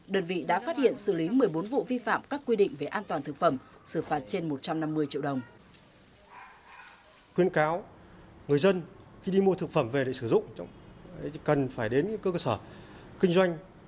đơn vị đã phát hiện xử lý một mươi bốn vụ vi phạm các quy định về an toàn thực phẩm xử phạt trên một trăm năm mươi triệu đồng